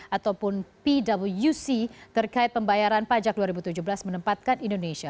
ataupun pwc terkait pembayaran pajak dua ribu tujuh belas menempatkan indonesia